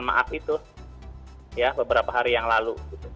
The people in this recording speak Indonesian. maaf itu ya beberapa hari yang lalu